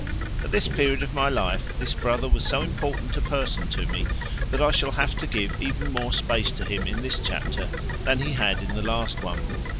At this period of my life this brother was so important a person to me that I shall have to give even more space to him in this chapter than he had in the last one.